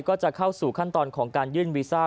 ก็จะเข้าสู่ขั้นตอนของการยื่นวีซ่า